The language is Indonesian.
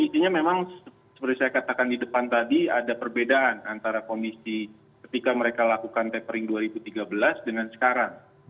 isinya memang seperti saya katakan di depan tadi ada perbedaan antara komisi ketika mereka lakukan tapering dua ribu tiga belas dengan sekarang